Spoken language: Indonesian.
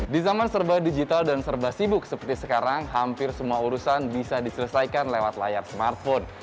di zaman serba digital dan serba sibuk seperti sekarang hampir semua urusan bisa diselesaikan lewat layar smartphone